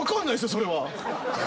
それは！